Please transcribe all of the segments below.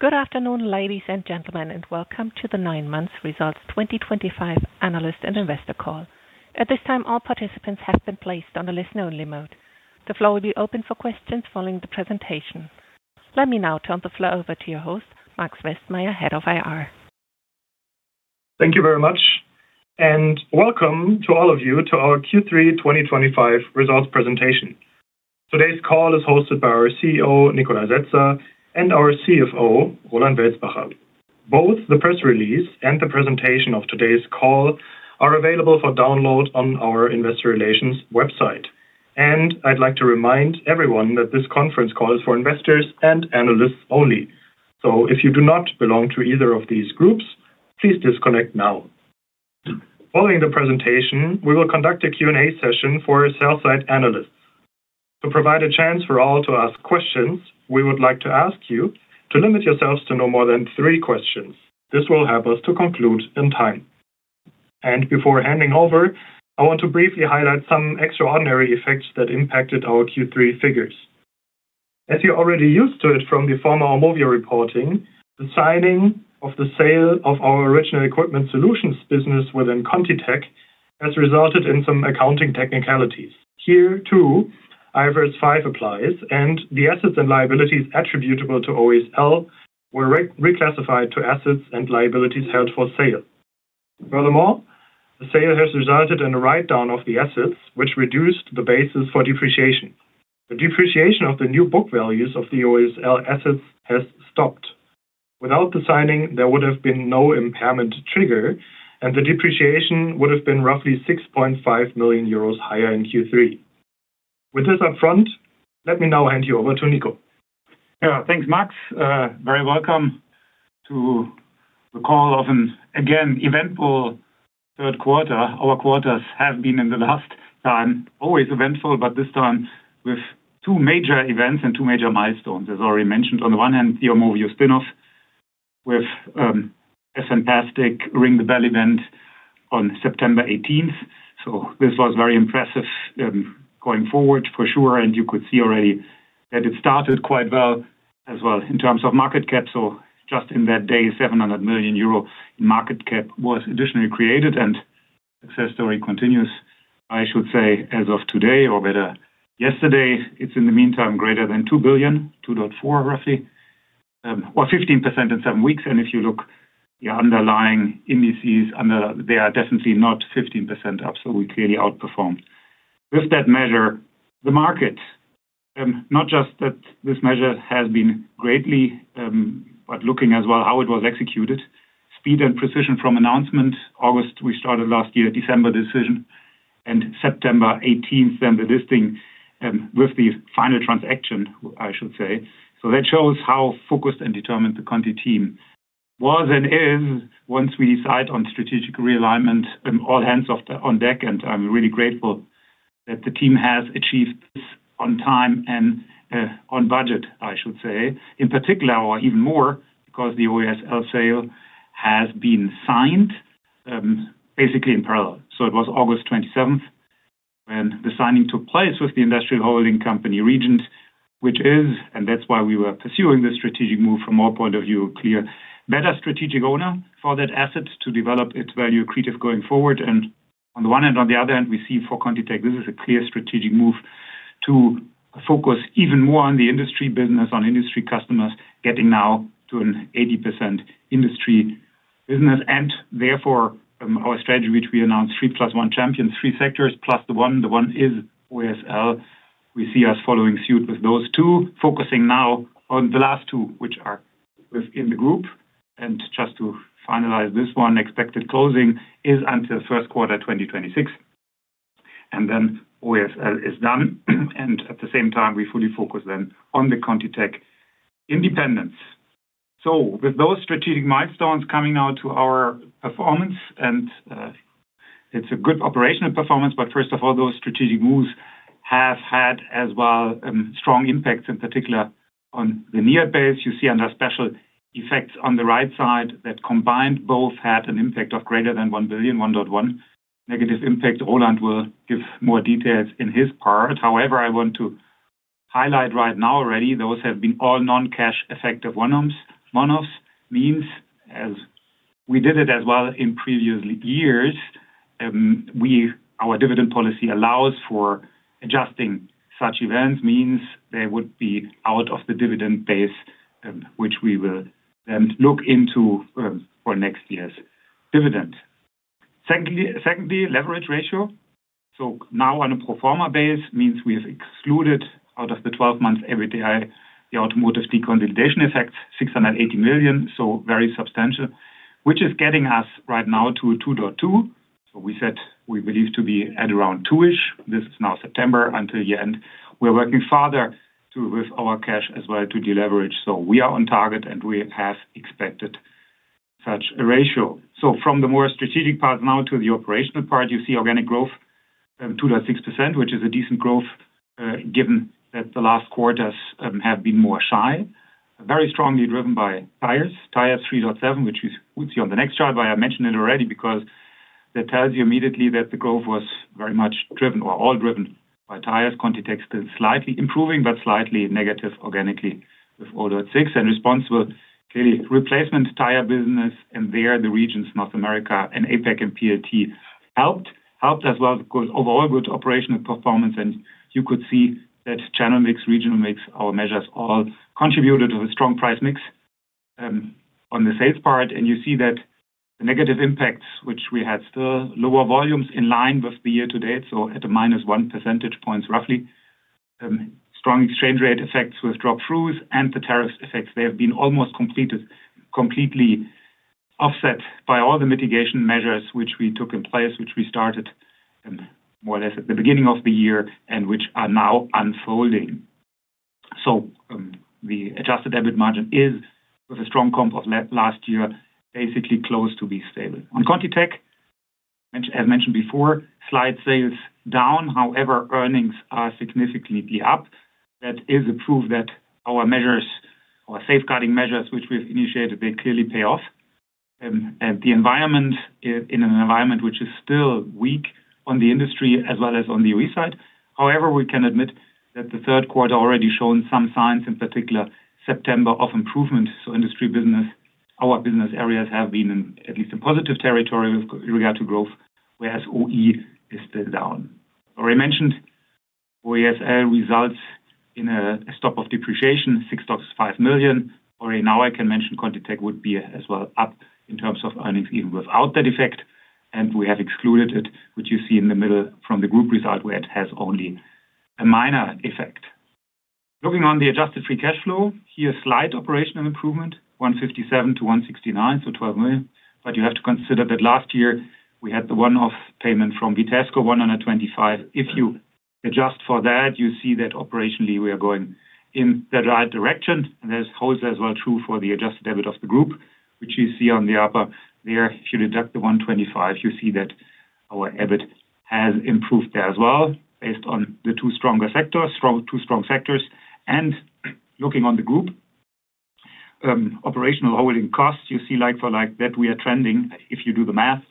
Good afternoon ladies and gentlemen and welcome to the nine months results 2025 analyst and investor call. At this time all participants have been placed on the listen only mode. The floor will be open for questions following the presentation. Let me now turn the floor over to your host, Max Westmeyer, Head of IR. Thank you very much and welcome to all of you to our Q3 2025 results presentation. Today's call is hosted by our CEO Nikolai Setzer and our CFO Roland Welzbacher. Both the press release and the presentation of today's call are available for download on our investor relations website. I would like to remind everyone that this conference call is for investors and analysts only. If you do not belong to either of these groups, please disconnect now. Following the presentation we will conduct a Q&A session for sell side analysts to provide a chance for all to ask questions. We would like to ask you to limit yourselves to no more than three questions. This will help us to conclude in time and before handing over, I want to briefly highlight some extraordinary effects that impacted our Q3 figures as you're already used to it from the former AUMOVIO reporting, the signing of the sale of our Original Equipment Solutions business within ContiTech has resulted in some accounting technicalities. Here too, IFRS 5 applies and the assets and liabilities attributable to OESL were reclassified to assets and liabilities held for sale. Furthermore, the sale has resulted in a write-down of the assets which reduced the basis for depreciation. The depreciation of the new book values of the OESL assets has stopped. Without the signing there would have been no impairment trigger and the depreciation would have been roughly 6.5 million euros higher in Q3 with this upfront, let.me now hand you over to Nico. Thanks, Max. Very welcome to the call of an again eventful third quarter. Our quarters have been in the last time always eventful, but this time with two major events and two major milestones. As already mentioned, on the one hand the AUMOVIO spin-off with a fantastic ring the bell event on September 18th. This was very impressive going forward for sure and you could see already that it started quite well as well in terms of market cap. Just in that day, 700 million euro market cap was additionally created and success story continues. I should say as of today, or better yesterday, it's in the meantime greater than 2 billion, 2.4 billion roughly, or 15% in some weeks. If you look at the underlying indices, they are definitely not 15% up, so we clearly outperformed with that measure the market. Not just that this measure has been great, but looking as well how it was executed, speed and precision from announcement August, we started last year December decision and September 18th, then the listing with the final transaction I should say. That shows how focused and determined the Conti team was and is. Once we decide on strategic realignment, all hands on deck. I'm really grateful that the team has achieved on time and on budget, I should say in particular or even more because the OESL sale has been signed basically in parallel. It was August 27 when the signing took place with the industrial holding company Regent, which is, and that is why we were pursuing this strategic move from our point of view, clear better strategic owner for that asset to develop its value accretive going forward. On the one hand, on the other hand we see for ContiTech this is a clear strategic move to focus even more on the industry business, on industry customers, getting now to an 80% industry business. Therefore, our strategy which we announced, three plus one champions, three sectors plus the one, the one is OESL. We see us following suit with those two, focusing now on the last two which are within the group. Just to finalize this one, expected closing is until first quarter 2026 and then OESL is done. At the same time, we fully focus then on the ContiTech independence. With those strategic milestones, coming now to our performance, and it is a good operational performance. First of all, those strategic moves have had as well strong impacts, in particular on the near base. You see under special effects on the right side that combined both had an impact of greater than 1 billion, 1.1 billion negative impact. Roland will give more details in his part. However, I want to highlight right now already those have been all non-cash effective one-offs, means as we did it as well in previous years. Our dividend policy allows for adjusting such events, means they would be out of the dividend base, which we will then look into for next year's dividend. Secondly, leverage ratio. Now, on a pro forma base, means we have excluded out of the 12 months EBITDA the Automotive deconsolidation effect, 680 million, so very substantial, which is getting us right now to 2.2. We said we believe to be at around 2ish. This is now September until year end. We're working farther with our cash as well to deleverage. We are on target and we have expected such a ratio. From the more strategic part now to the operational part, you see organic growth 2.6% which is a decent growth given that the last quarters have been more shy. Very strongly driven by Tires. Tires 3.7% which we'll see on the next chart. Why I mentioned it already, because that tells you immediately that the growth was very much driven or all driven by Tires. ContiTech still slightly improving, but slightly negative organically with 0.6% and responsible Replacement tire business. There the regions North America and APEC and PLT helped as well. Overall good operational performance. You could see that channel mix, regional mix, our measures all contributed to a strong price mix on the sales part. You see that the negative impacts, which we had, still lower volumes in line with the year to date, so at the -1 percentage points roughly, strong exchange rate effects with drop throughs, and the tariffs effects, they have been almost completely offset by all the mitigation measures which we took in place, which we started more or less at the beginning of the year and which are now unfolding. The adjusted EBIT margin is, with a strong comp of last year, basically close to be stable. On ContiTech, as mentioned before, slight sales down. However, earnings are significantly up. That is a proof that our measures, our safeguarding measures which we've initiated, they clearly pay off in an environment which is still weak on the industry as well as on the OE side. However, we can admit that the third quarter already shown some signs, in particular September, of improvement. Industry, business, our business areas have been at least in positive territory with regard to growth. Whereas OE is still down, already mentioned OESL results in a stop of depreciation 6.5 million. Already now I can mention ContiTech would be as well up in terms of earnings even without that effect. And we have excluded it, which you see in the middle from the group result where it has only a minor effect. Looking on the adjusted free cash flow here, slight operational improvement 157 million to 169 million, so 12 million. You have to consider that last year we had the one-off payment from Vitesco 125 million. If you adjust for that, you see that operationally we are going in the right direction and this holds as well true for the adjusted EBIT of the group which you see on the upper there. If you deduct the 125 million you see that our EBIT has improved there as well based on the two stronger sectors. Two strong sectors. Looking on the group operational holding costs you see like for like that we are trending, if you do the math,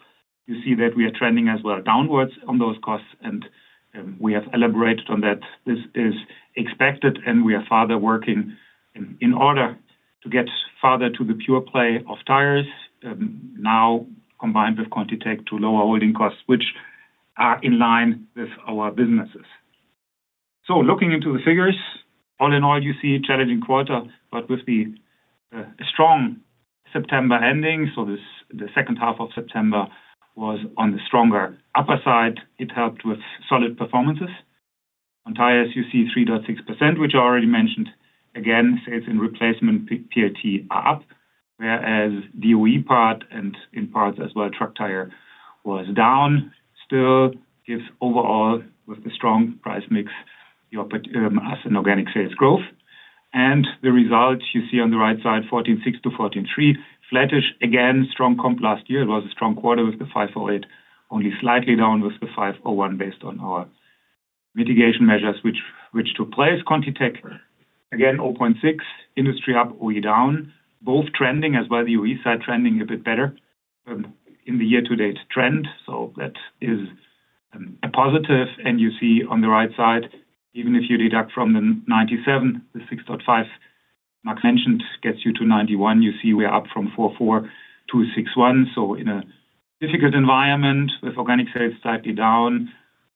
you see that we are trending as well downwards on those costs. We have elaborated on that. This is expected. We are further working in order to get farther to the pure play of Tires now combined with ContiTech to lower holding costs, which are in line with our businesses. Looking into the figures, all in all you see a challenging quarter. With the strong September ending, the second half of September was on the stronger upper side. It helped with solid performances on Tires. You see 3.6%, which I already mentioned. Again, sales and Replacement PLT are up, whereas the OE part and in parts as well. Truck Tire was down. Still gives overall, with the strong price mix in organic sales growth. The result you see on the right side, 14.6% to 14.3%, flattish, again strong comp. Last year it was a strong quarter with the 508 only slightly down with the 501 based on our mitigation measures which took place. ContiTech again 0.6%. Industry up, OE down. Both trending as well. The OE side trending a bit better in the year to date trend. That is a positive. You see on the right side, even if you deduct from the 97, the 6.5 mark mentioned gets you to 91. You see we are up from 4.4 to 6.1. In a difficult environment with organic sales slightly down,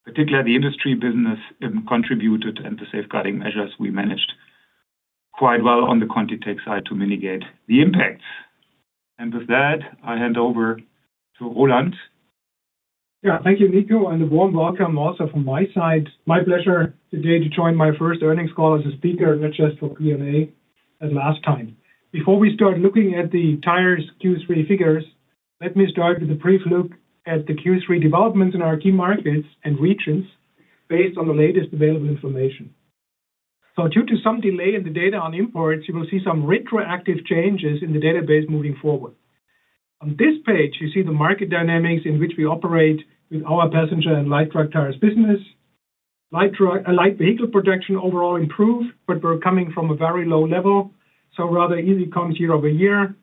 particularly the industry business contributed and the safeguarding measures, we managed quite well on the ContiTech side to mitigate the impacts. With that I hand over to Roland. Yeah, thank you, Nico. A warm welcome also from my side. My pleasure today to join my first earnings call as a speaker, not just for Q&A. Last time, before we start looking at the entire Q3 figures, let me start with a brief look at the Q3 developments in our key markets and regions based on the latest available information. Due to some delay in the data on imports, you will see some retroactive changes in the database. Moving forward, on this page you see the market dynamics in which we operate with our Passenger and light truck tires business. Light vehicle production overall improved, but we're coming from a very low level, so rather easy comps year over year.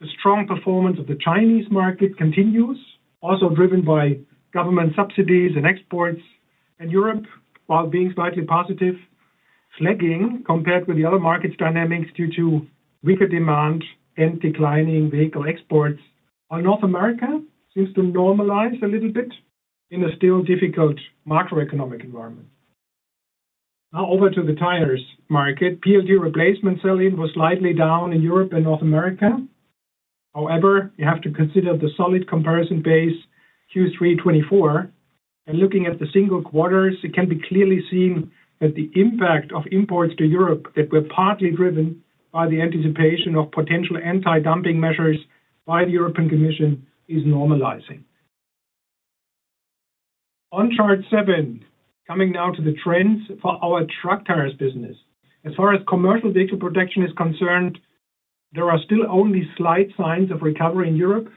The strong performance of the Chinese market continues, also driven by government subsidies and exports in Europe while being slightly positive, lagging compared with the other markets. Dynamics due to weaker demand and declining vehicle exports on North America seem to normalize a little bit in a still difficult macroeconomic environment. Now over to the Tires market. PLT Replacement selling was slightly down in Europe and North America. However, you have to consider the solid comparison base Q3 2024, and looking at the single quarters it can be clearly seen that the impact of imports to Europe that were partly driven by the anticipation of potential anti-dumping measures by the European Commission is normalizing. On Chart 7. Coming now to the trends for our Truck Tires business as far as commercial vehicle production is concerned, there are still only slight signs of recovery in Europe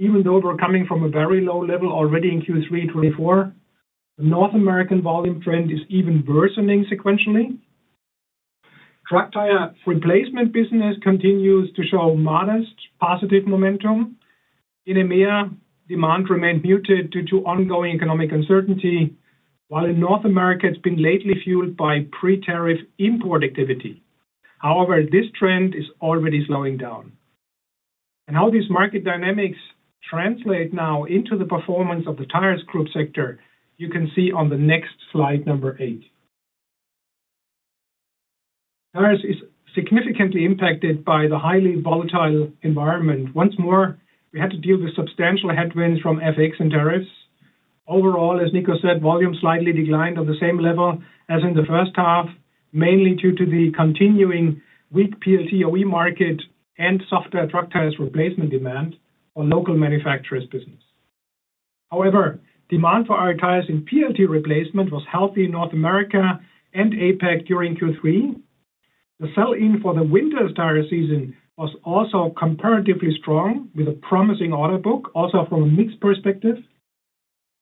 even though we're coming from a very low level already in Q3 2024. The North American volume trend is even worsening sequentially. Truck Tire Replacement business continues to show modest positive momentum. In EMEA demand remained muted due to ongoing economic uncertainty while in North America it's been lately fueled by pre-tariff import activity. However, this trend is already slowing down and how these market dynamics translate now into the performance of the Tires group sector you can see on the next slide. Number eight, Tires is significantly impacted by the highly volatile environment. Once more we had to deal with substantial headwinds from FX and tariffs. Overall, as Nico said, volume slightly declined on the same level as in the first half, mainly due to the continuing weak PLT OE market and softer truck tires replacement demand for local manufacturers business. However, demand for our tires in PLT Replacement was healthy in North America and APEC during Q3. The sell-in for the winter tire season was also comparatively strong with a promising order book. Also from a mix perspective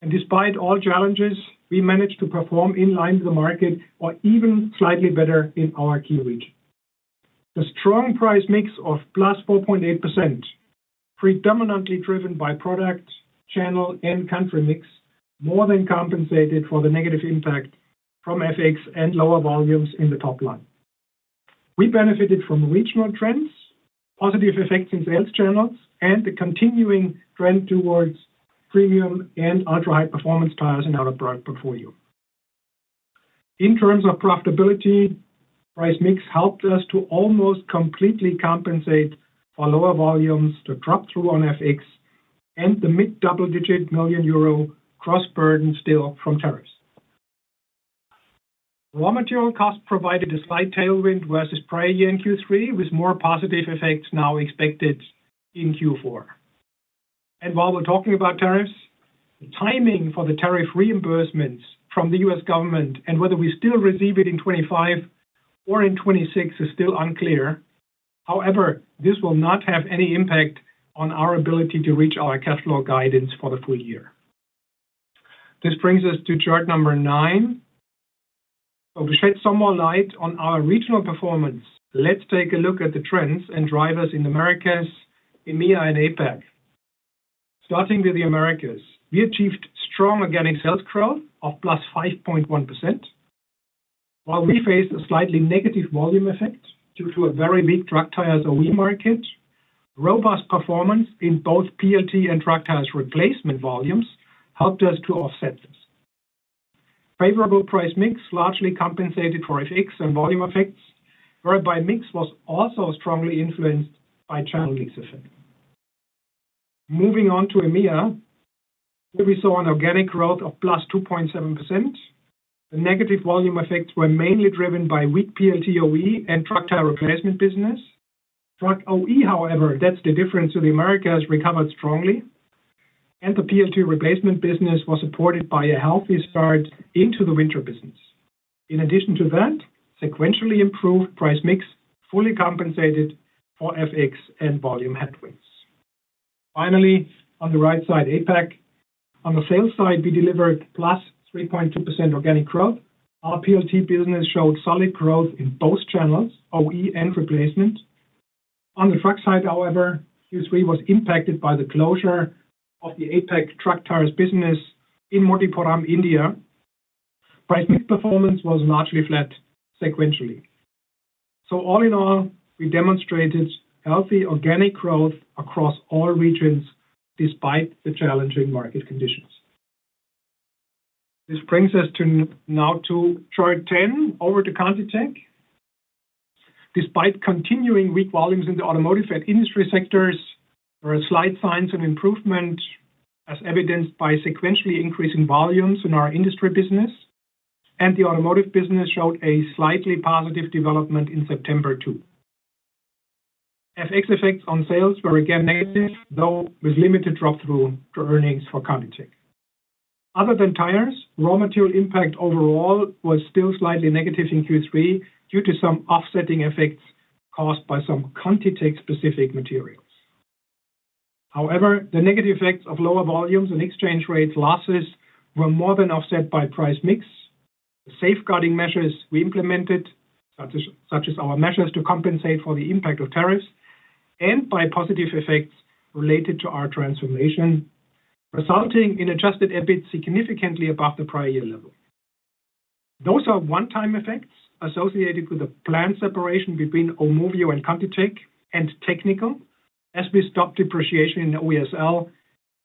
and despite all challenges we managed to perform in line with the market or even slightly better in our key region. The strong price mix of +4.8% predominantly driven by product, channel, and country mix more than compensated for the negative impact from FX and lower volumes in the top line. We benefited from regional trends, positive effects in sales channels, and the continuing trend towards premium and ultra-high performance tires in our product portfolio. In terms of profitability, price mix helped us to almost completely compensate for lower volumes to drop through on FX and the mid double-digit million euro cross burden. Still, from tariffs, raw material costs provided a slight tailwind versus prior year in Q3 with more positive effects now expected in Q4. While we're talking about tariffs, timing for the tariff reimbursements from the U.S. government and whether we still receive it in 2025 or in 2026 is still unclear. However, this will not have any impact on our ability to reach our cash flow guidance for the full year. This brings us to chart number nine. To shed some more light on our regional performance, let's take a look at the trends and drivers in Americas, EMEA, and APEC. Starting with the Americas, we achieved strong organic sales growth of +5.1% while we faced a slightly negative volume effect due to a very weak Truck Tires OE market. Robust performance in both PLT and Truck Tires Replacement volumes helped us to offset this. Favorable price mix largely compensated for FX and volume effects, whereby mix was also strongly influenced by channel mix effect. Moving on to EMEA, we saw an organic growth of +2.7%. The negative volume effects were mainly driven by weak PLT OE and Truck Tire Replacement business. Truck OE, however, that's the difference to the Americas, recovered strongly, and the PLT Replacement business was supported by a healthy start into the Winter business. In addition to that, sequentially improved price mix fully compensated for FX and volume headwinds. Finally, on the right side, APAC, on the sales side, we delivered +3.2% organic growth. Our PLT business showed solid growth in both channels, OE and Replacement. On the Truck side, however, Q3 was impacted by the closure of the APEC Truck Tires business in Modipuram, India. Price mix performance was largely flat sequentially, so all in all we demonstrated healthy organic growth across all regions despite the challenging market conditions. This brings us now to chart 10, over to ContiTech. Despite continuing weak volumes in the Automotive and Industry sectors, there are slight signs of improvement as evidenced by sequentially increasing volumes in our industry business, and the Automotive business showed a slightly positive development in September too. FX effects on sales were again negative, though with limited drop through to earnings for ContiTech other than Tires. Raw material impact overall was still slightly negative in Q3 due to some offsetting effects caused by some ContiTech specific materials. However, the negative effects of lower volumes and exchange rate losses were more than offset by price mix safeguarding measures we implemented such as our measures to compensate for the impact of tariffs and by positive effects related to our transformation resulting in adjusted EBIT significantly above the prior year level. Those are one-time effects associated with a planned separation between AUMOVIO and ContiTech and technical as we stopped depreciation in OESL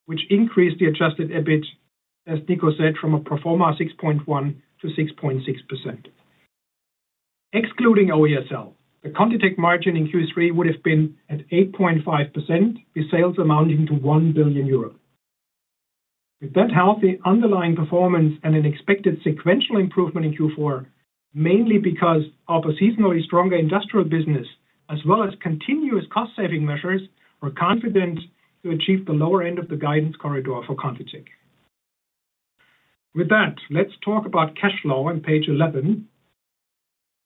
which increased the adjusted EBIT as Nico said from a pro forma 6.1% to 6.6%. Excluding OESL, the ContiTech margin in Q3 would have been at 8.5% with sales amounting to 1 billion euros. With that healthy underlying performance and an expected sequential improvement in Q4 mainly because of a seasonally stronger industrial business as well as continuous cost saving measures, we are confident to achieve the lower end of the guidance corridor for ContiTech. With that, let's talk about cash flow on page 11.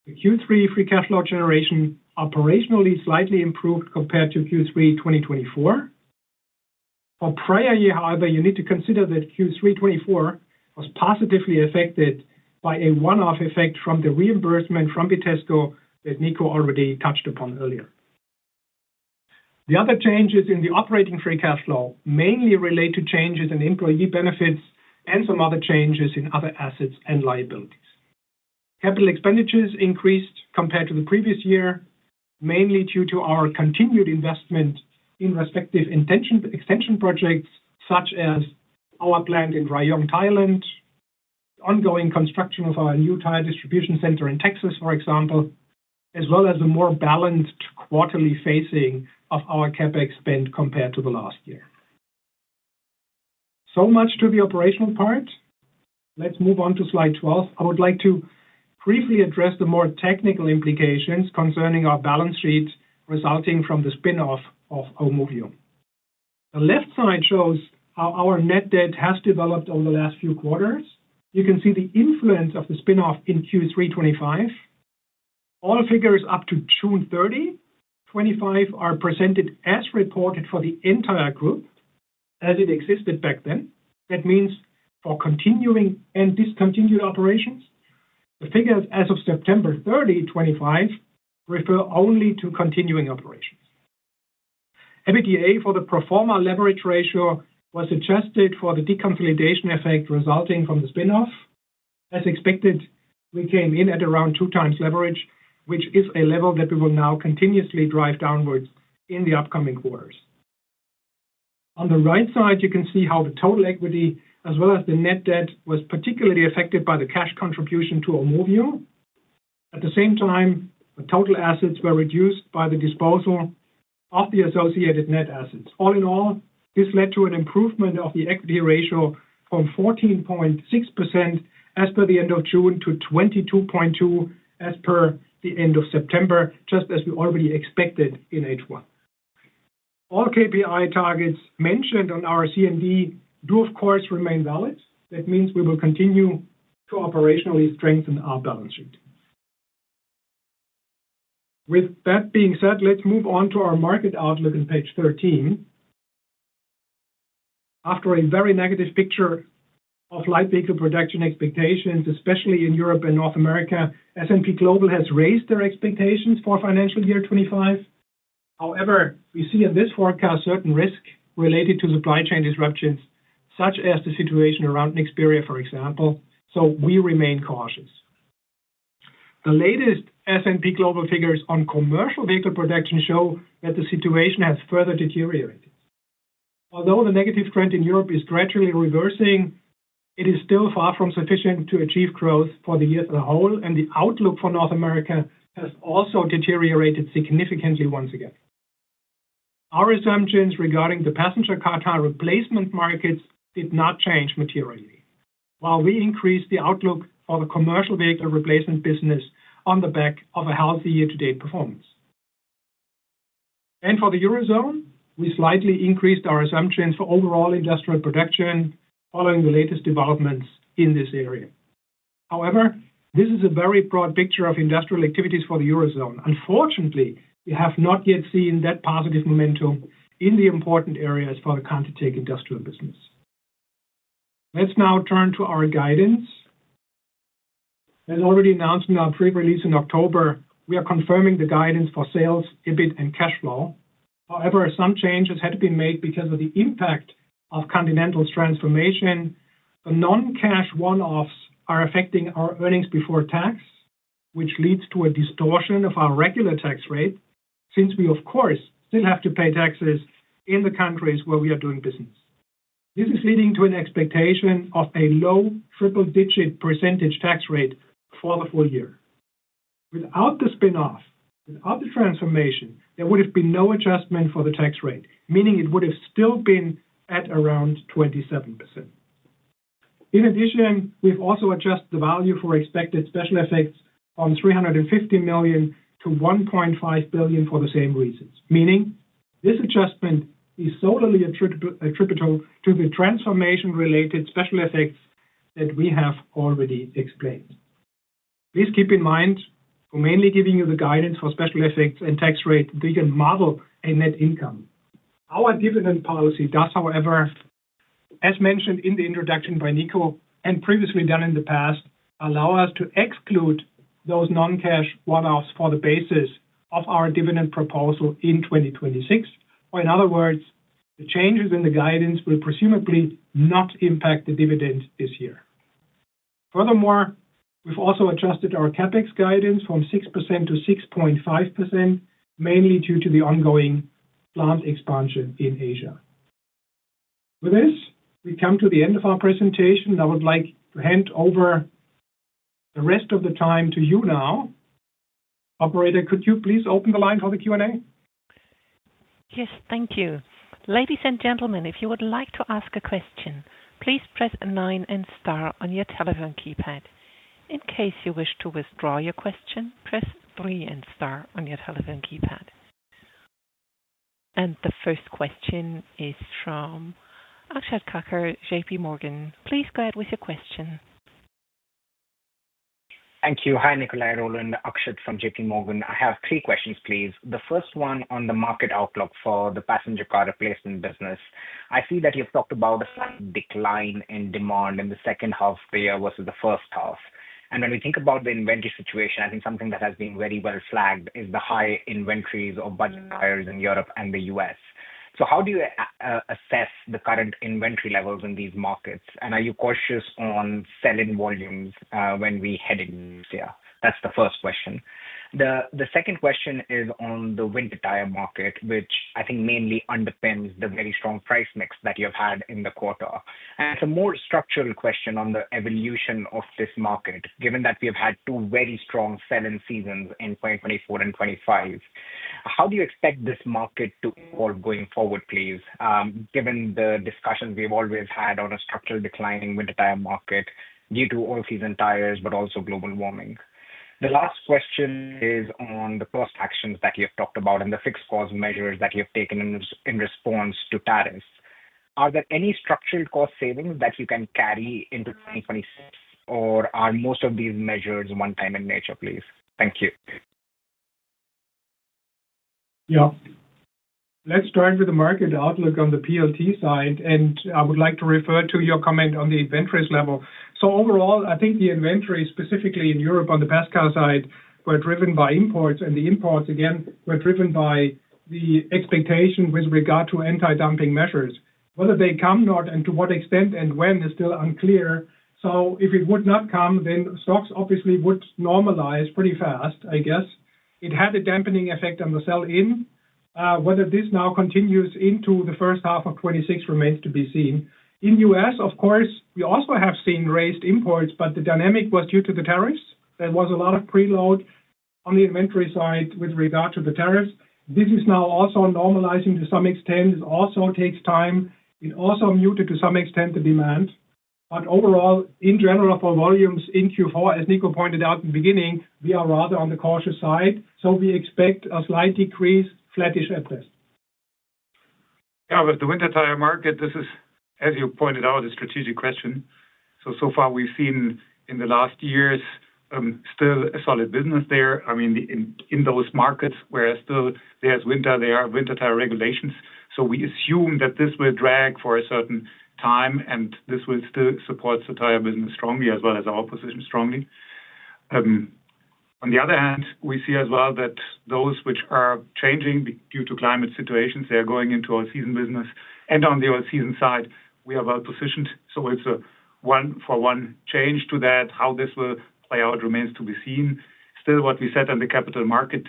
The Q3 free cash flow generation operationally slightly improved compared to Q3 2024, the prior year. However, you need to consider that Q3 2024 was positively affected by a one-off effect from the reimbursement from Vitesco that Nico already touched upon earlier. The other changes in the operating free cash flow mainly relate to changes in employee benefits and some other changes in other assets and liabilities. Capital expenditures increased compared to the previous year, mainly due to our continued investment in respective extension projects such as our plant in Rayong, Thailand, ongoing construction of our new tire distribution center in Texas for example, as well as a more balanced quarterly phasing of our CapEx spend compared to the last year. So much to the operational part. Let's move on to slide 12. I would like to briefly address the more technical implications concerning our balance sheet resulting from the spin-off of AUMOVIO. The left side shows how our net debt has developed over the last few quarters. You can see the influence of the spin-off in Q3 2025. All figures up to 6/30/2025 are presented as reported for the entire group as it existed back then. That means for continuing and discontinued operations. The figures as of 09/30/2025 refer only to continuing operations. EBITDA for the pro forma leverage ratio was adjusted for the deconsolidation effect resulting from the spin-off. As expected, we came in at around 2x leverage, which is a level that we will now continuously drive downwards in the upcoming quarters. On the right side you can see how the total equity as well as the net debt was particularly affected by the cash contribution to AUMOVIO. At the same time, the total assets were reduced by the disposal of the associated net assets. All in all, this led to an improvement of the equity ratio from 14.6% as per the end of June to 22.2% as per the end of September. Just as we already expected in H1. All KPI targets mentioned on our CMD do of course remain valid. That means we will continue to operationally strengthen our balance sheet. With that being said, let's move on to our market outlook on page 13. After a very negative picture of light vehicle production expectations, especially in Europe and North America, S&P Global has raised their expectations for financial year 2025. However, we see in this forecast certain risk related to supply chain disruptions such as the situation around Nexperia, for example, so we remain cautious. The latest S&P Global figures on commercial vehicle production show that the situation has further deteriorated. Although the negative trend in Europe is gradually reversing, it is still far from sufficient to achieve growth for the year as a whole. The outlook for North America has also deteriorated significantly. Once again, our assumptions regarding the Passenger car tire replacement markets did not change materially. While we increased the outlook for the Commercial Vehicle Replacement business on the back of a healthy year to date performance, and for the Eurozone, we slightly increased our assumptions for overall industrial production following the latest developments in this area. However, this is a very broad picture of industrial activities for the Eurozone. Unfortunately, we have not yet seen that positive momentum in the important areas for the ContiTech industrial business. Let's now turn to our guidance. As already announced in our pre-release in October, we are confirming the guidance for sales, EBIT, and cash flow. However, some changes had to be made because of the impact of Continental's transformation. The non-cash one-offs are affecting our earnings before tax, which leads to a distortion of our regular tax rate. Since we of course still have to pay taxes in the countries where we are doing business, this is leading to an expectation of a low triple-digit percentage tax rate for the full year without the spin-off. Without the transformation, there would have been no adjustment for the tax rate, meaning it would have still been at around 27%. In addition, we've also adjusted the value for expected special effects on 350 million to 1.5 billion for the same reasons. Meaning this adjustment is solely attributable to the transformation-related special effects that we have already explained. Please keep in mind we're mainly giving you the guidance for special effects and tax rate. We can model a net income. Our dividend policy does, however, as mentioned in the introduction by Nico and previously done in the past, allow us to exclude those non-cash one offs for the basis of our dividend proposal in 2026. In other words, the changes in the guidance will presumably not impact the dividend this year. Furthermore, we have also adjusted our CapEx guidance from 6% to 6.5% mainly due to the ongoing plant expansion in Asia. With this, we come to the end of our presentation. I would like to hand over the rest of the time to you now. Operator, could you please open the line for the Q&A? Yes, thank you. Ladies and gentlemen, if you would like to ask a question, please press nine and star on your telephone keypad. In case you wish to withdraw your question, press three and star on your telephone keypad. The first question is from Akshat Kacker, JPMorgan. Please go ahead with your question. Thank you. Hi Nikolai. Roland, Akshat from JPMorgan. I have three questions please. The first one on the market outlook for the Passenger car replacement business. I see that you've talked about a decline in demand in the second half versus the first half. When we think about the inventory situation, I think something that has been very well flagged is the high inventories of budget tires in Europe and the U.S. How do you assess the current inventory levels in these markets and are you cautious on selling volumes when we head in? That's the first question. The second question is on the Winter Tire market, which I think mainly underpins the very strong price mix that you have had in the quarter. It's a more structural question on the evolution of this market. Given that we have had two very strong selling seasons in 2024 and 2025, how do you expect this market to go going forward? Please. Given the discussions we've always had on a structural declining Winter Tire market due to all-season tires, but also global warming. The last question is on the cost actions that you have talked about and the fixed cost measures that you have taken in response to tariffs. Are there any structural cost savings that you can carry into 2026 or are most of these measures one time in nature, please. Thank you. Yeah, let's start with the market outlook on the PLT side and I would like to refer to your comment on the inventories level. Overall, I think the inventory specifically in Europe on the PLT side were driven by imports and the imports again were driven by the expectation with regard to anti-dumping measures. Whether they come or not and to what extent and when is still unclear. If it would not come, then stocks obviously would normalize pretty fast. I guess it had a dampening effect on the sell-in. Whether this now continues into first half 2026 remains to be seen. In the U.S., of course, we also have seen raised imports, but the dynamic was due to the tariffs. There was a lot of preload on the inventory side with regard to the tariffs. This is now also normalizing to some extent. It also takes time. It also muted to some extent the demand. Overall in general for volumes in Q4, as Nico pointed out in the beginning, we are rather on the cautious side. We expect a slight decrease, flattish. At best with the Winter Tire market. This is as you pointed out, a strategic question. So far we've seen in the last years still a solid business there. I mean in those markets where still there's winter, there are wintertime regulations. We assume that this will drag for a certain time and this will still support our tire business strongly as well as our position strongly. On the other hand we see as well that those which are changing due to climate situations, they are going into All-season business and on the All-season side we are well positioned, so it's a one for one change to that. How this will play out remains to be seen. Still, what we said in the capital market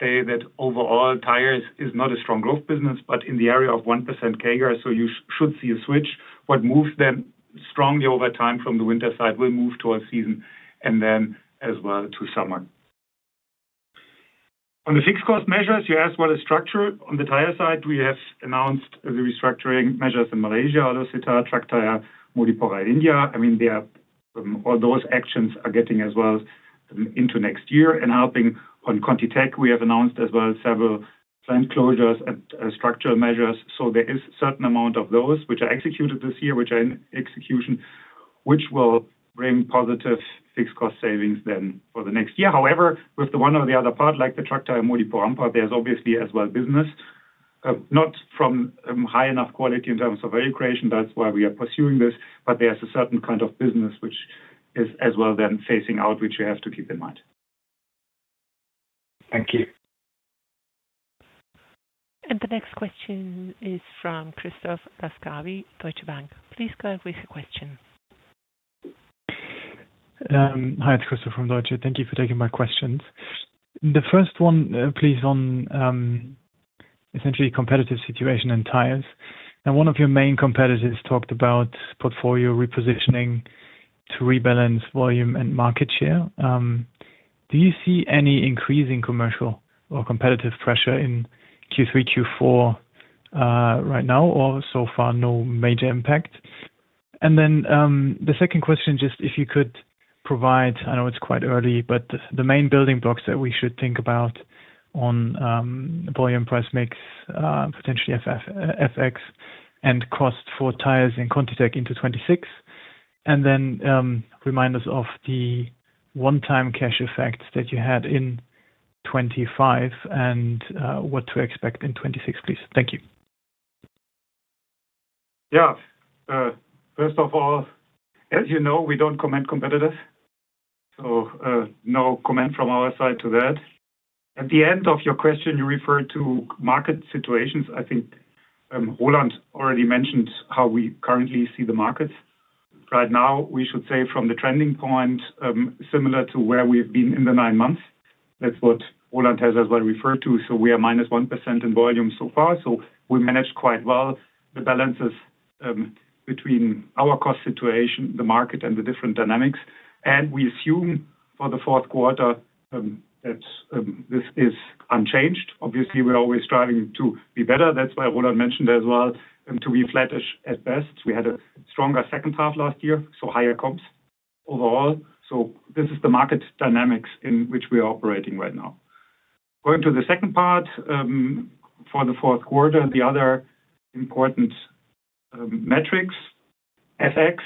day, that overall Tires is not a strong growth business but in the area of 1% CAGR. You should see a switch that moves then strongly over time from the Winter side, will move towards season and then as well to summer. On the fixed cost measures, you asked what is structure on the tire side. We have announced the restructuring measures in Malaysia, also [Sita] truck tire, Modipuram, India. I mean, all those actions are getting as well into next year and helping. On ContiTech, we have announced as well several plant closures and structural measures. There is a certain amount of those which are executed this year, which are in execution, which will bring positive fixed cost savings then for the next year. However, with the one or the other part, like the Truck Tire Modipuram plant, there is obviously as well business not from high enough quality in terms of value creation. That is why we are pursuing this. There is a certain kind of business which is as well then facing out which you have to keep in mind. Thank you. The next question is from Christoph Laskawi, Deutsche Bank. Please go with your question. Hi, it's Christoph from Deutsche. Thank you for taking my questions. The first one please on essentially competitive situation in Tires and one of your main competitors talked about portfolio repositioning to rebalance volume and market share. Do you see any increasing commercial or competitive pressure in Q3, Q4 right now or so far no major impact? The second question, just if you could provide, I know it's quite early, but the main building blocks that we should think about on volume, price mix, potentially FX, and cost for tires in ContiTech into 2026, and then remind us of the one-time cash effect that you had in 2025 and what to expect in 2026, please. Thank you. Yeah, first of all, as you know, we don't comment on competitors, so no comment from our side to that. At the end of your question, you referred to market situations. I think Roland already mentioned how we currently see the markets right now. We should say from the trending point similar to where we've been in the nine months. That's what Roland has as well referred to. So we are -1% in volume so far. So we managed quite well the balances between our cost situation, the market and the different dynamics. And we assume for the fourth quarter that this is unchanged. Obviously we're always striving to be better. That's why Roland mentioned as well to be flattish at best. We had a stronger second half last year so higher comps overall. This is the market dynamics in which we are operating right now. Going to the second part for the fourth quarter. The other important metrics. FX.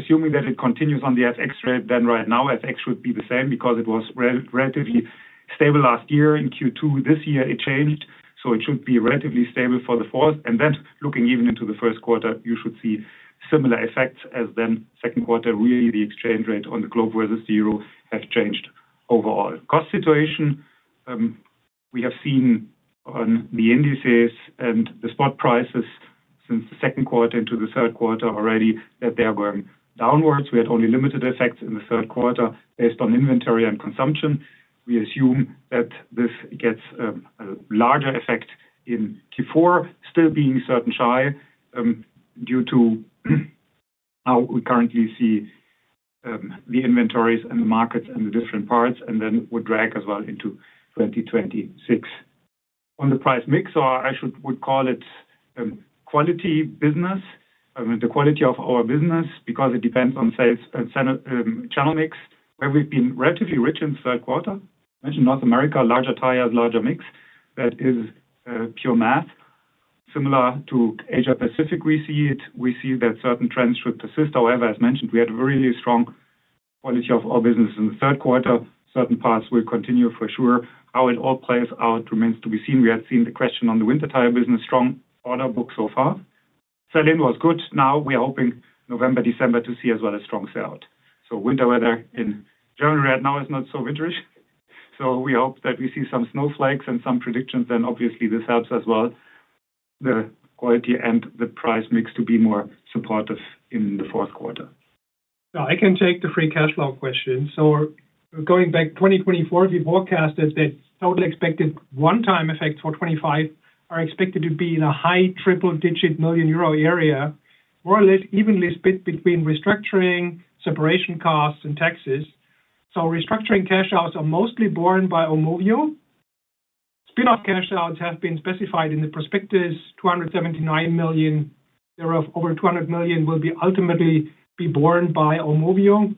Assuming that it continues on the FX rate, then right now FX should be the same because it was relatively stable last year in Q2. This year it changed, so it should be relatively stable for the fourth. Looking even into the first quarter, you should see similar effects as then second quarter. Really, the exchange rate on the globe versus euro have changed overall cost situation. We have seen on the indices and the spot prices since the second quarter into the third quarter already that they are going downwards. We had only limited effects in the third quarter based on inventory and consumption. We assume that this gets a larger effect in Q4, still being certain shy due to how we currently see the inventories and the markets and the different parts, and then would drag as well into 2026 on the price mix, or I should would call it quality business. The quality of our business because it depends on sales and channel mix. Where we've been relatively rich in third quarter, mention North America, larger tires, larger mix, that is pure math, similar to Asia-Pacific. We see it, we see that certain trends should persist. However, as mentioned, we had really strong quality of our business in the third quarter. Certain parts will continue for sure. How it all plays out remains to be seen. We had seen the question on the Winter Tire business. Strong order book so far, selling was good. Now we are hoping November December to see as well as strong sellout. Winter weather in January right now is not so winterish. We hope that we see some snowflakes and some predictions then obviously this helps as well the quality and the price mix to be more supportive in the fourth quarter. I can take the free cash flow question. Going back, 2024, we forecasted that the totally expected one-time effect for 2025 are expected to be in a high triple-digit million euro area, more or less evenly split between restructuring, separation costs, and taxes. Restructuring cash outs are mostly borne by AUMOVIO spin-off. Cash outs have been specified in the prospectus, 279 million thereof, over 200 million will ultimately be borne by AUMOVIO.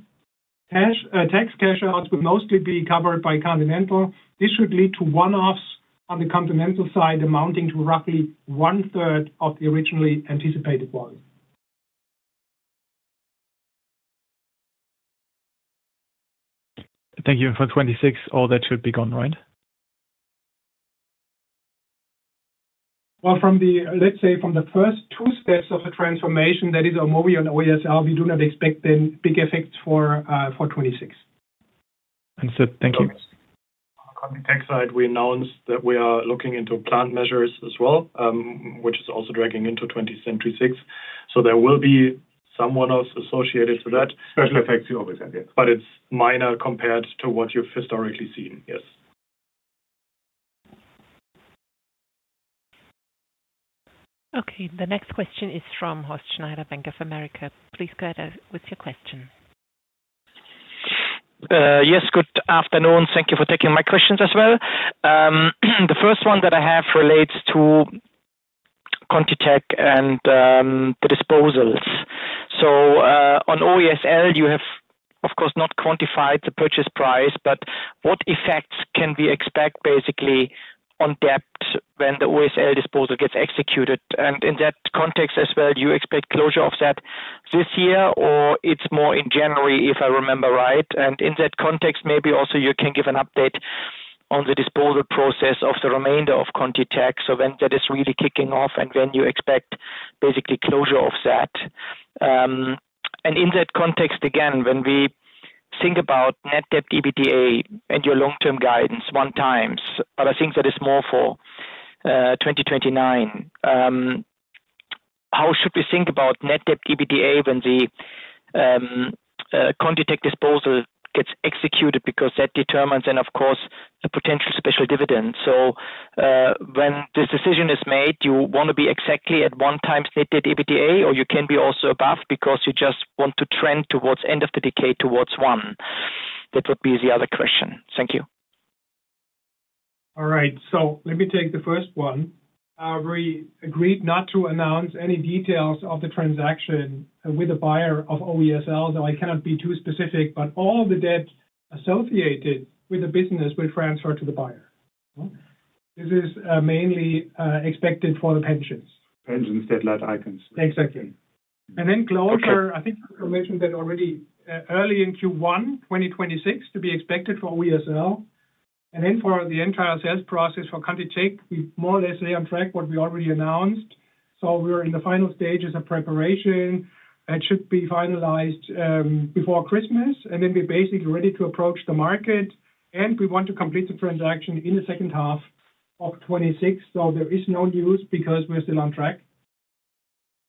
Tax cash outs will mostly be covered by Continental. This should lead to one-offs on the Continental side amounting to roughly one third of the originally anticipated volume. Thank you. For 2026 all that should be gone, right? From the, let's say, from the first two steps of the transformation, i.e., AUMOVIO and OESL, we do not expect then big effects for 2026. Sir, thank you. On the ContiTech side we announced that we are looking into plant measures as well, which is also dragging into 2026. There will be some one-offs associated to that. Special effects you always have, yes, but it is minor compared to what you have historically seen, yes. Okay, the next question is from Horst Schneider, Bank of America. Please go ahead with your question. Yes, good afternoon. Thank you for taking my questions as well. The first one that I have relates to ContiTech and the disposals. On OESL you have of course not quantified the purchase price, but what effects can we expect basically on debt when the OESL disposal gets executed? In that context as well, do you expect closure of that this year or it's more in January if I remember right? In that context, maybe also you can give an update on the disposal process of the remainder of ContiTech. When is that really kicking off and when you expect basically closure of that. In that context again when we think about net debt EBITDA and your long term guidance one times but I think that is more for 2029. How should we think about net debt EBITDA when the ContiTech disposal gets executed? Because that determines and of course a potential special dividend. When this decision is made you want to be exactly at one times net debt EBITDA or you can be also above because you just want to trend towards end of the decade towards one. That would be the other question. Thank you. All right, so let me take the first one. We agreed not to announce any details of the transaction with the buyer of OESL. I cannot be too specific but all the debt associated with the business will transfer to the buyer. This is mainly expected for the pensions. Pensions, deadlight icons. Exactly. Closure, I think, mentioned that already early in Q1 2026 to be expected for OESL, and then for the entire sales process for ContiTech, we more or less lay on track what we already announced. We are in the final stages of preparation that should be finalized before Christmas, and then we are basically ready to approach the market, and we want to complete the transaction in the second half of 2026. There is no news because we are still on track,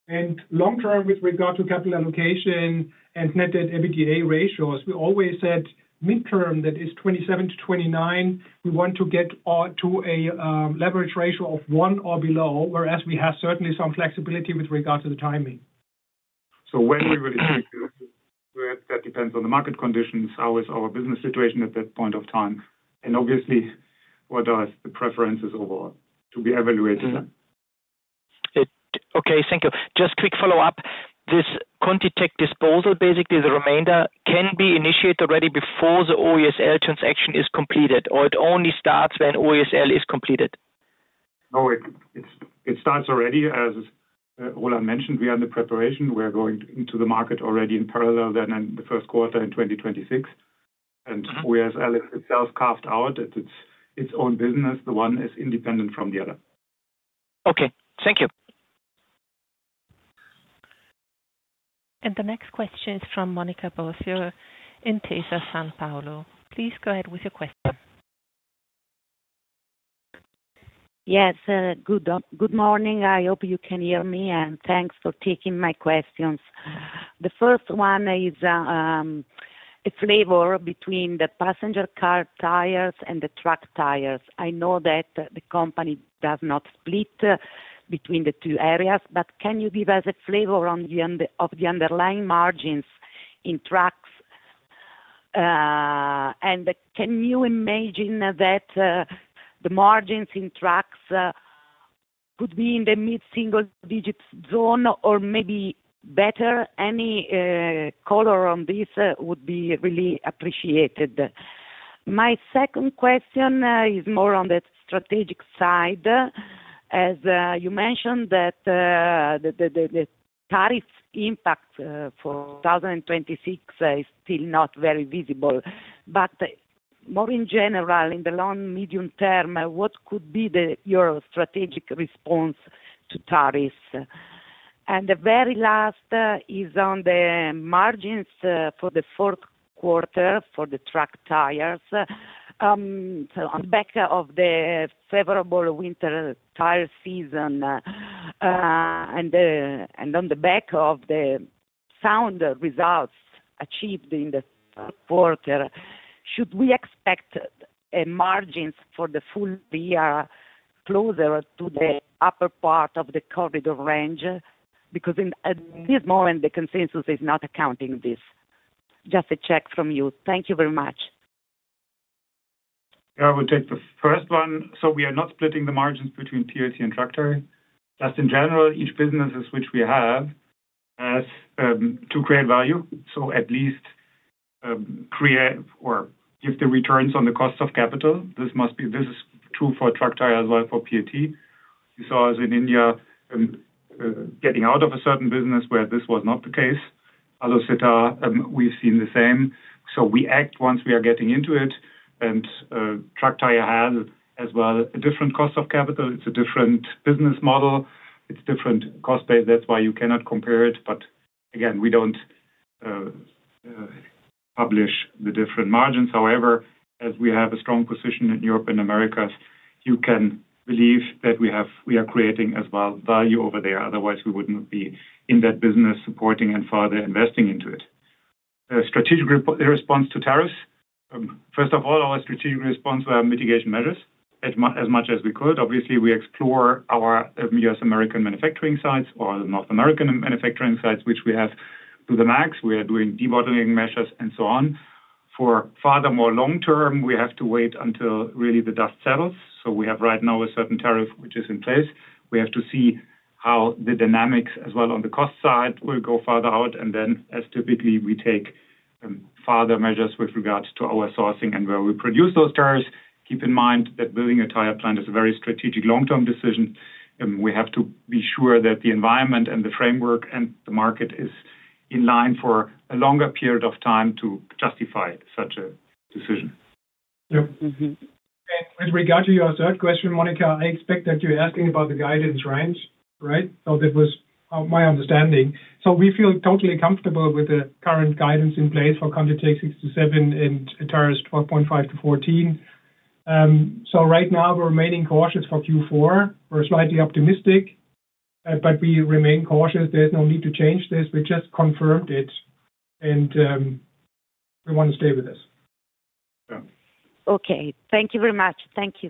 and long term with regard to capital allocation and net debt to EBITDA ratio, as we always said, midterm that is 27-29. We want to get to a leverage ratio of one or below, whereas we have certainly some flexibility with regard to the timing. When we will achieve that depends on the market conditions. How is our business situation at that point of time, and obviously what are the preferences overall to be evaluated. Okay, thank you. Just quick follow-up, this ContiTech disposal, basically the remainder can be initiated already before the OESL transaction is completed or it only starts when OESL is completed? No, it starts already. As Roland mentioned, we are in the preparation. We're going into the market already in parallel then in the first quarter in 2026 and we as OESL itself carved out its own business. The one is independent from the other. Okay, thank you. The next question is from Monica Bosio at Intesa Sanpaolo. Please go ahead with your question. Yes, good morning, I hope you can hear me and thanks for taking my questions. The first one is a flavor between the Passenger car tires and the Truck. I know that the company does not split between the two areas but can you give us a flavor of the underlying margins in Trucks? And can you imagine that the margins in Trucks could be in the mid single digit zone or maybe better? Any color on this would be really appreciated. My second question is more on that strategic side. As you mentioned that the tariff impact for 2026 is still not very visible but more in general in the long medium term, what could be the euro strategic response to tariffs? The very last is on the margins for the fourth quarter for the Truck Tires on the back of the favorable winter tire season and on the back of the sound results achieved in the third quarter. Should we expect margins for the full year closer to the upper part of the corridor range? Because at this moment the consensus is not accounting. This just a check from you. Thank you very much. I would take the first one. We are not splitting the margins between PLT and Truck. Just in general, each business which we have has to create value. At least create or give the returns on the cost of capital. This must be. This is true for Truck as well for PLT. You saw us in India getting out of a certain business where this was not the case, we've seen the same. We act once we are getting into it. Truck tire has as well a different cost of capital, it's a different business model, it's a different cost base. That's why you cannot compare it. Again, we do not publish the different margins. However, as we have a strong position in Europe and Americas, you can believe that we are creating as well value over there. Otherwise we wouldn't be in that business supporting and further investing into it. Strategic response to tariffs, first of all, our strategic response were mitigation measures as much as we could. Obviously we explore our U.S. American manufacturing sites or the North American manufacturing sites which we have to the max. We are doing debottling measures and so on. For farther, more long term, we have to wait until really the dust settles. We have right now a certain tariff which is in place. We have to see how the dynamics as well on the cost side will go farther out. Then as typically, we take farther measures with regards to our sourcing and where we produce those tariffs. Keep in mind that building a tire plant is a very strategic long term decision. We have to be sure that the environment and the framework and the market is in line for a longer period of time to justify such a decision. With regard to your third question, Monica, I expect that you're asking about the guidance range, right? That was my understanding. We feel totally comfortable with the current guidance in place for ContiTech 6%-7% and Tires 12.5%-14%. Right now we're remaining cautious for Q4. We're slightly optimistic, but we remain cautious. There's no need to change this. We just confirmed it and we want to stay with this. Okay, thank you very much. Thank you.